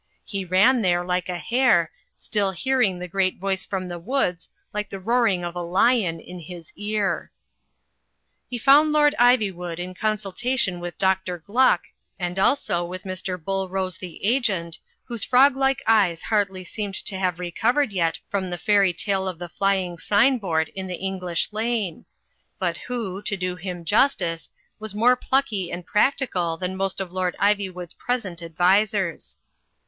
He ran there like a hare, still hearing the great voice from the woods like the roaring of a lion in his ear. Digitized by CjOOQ IC *•... 158 THE FLYING INN He fotind Lord Ivywood in consultation with Dr. Gluck, and also with Mr. BuUrose the Agent, whose froglike eyes hardly seemed to have recovered yet from the fairy tale of the flying sign board in the English lane ; but who, to do him justice, was more plucky and practical than most of Lord Ivywood*s present ad visers.